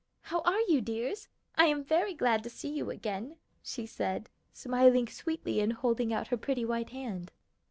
"How are you, dears? I am very glad to see you again," she said, smiling sweetly and holding out her pretty white hand.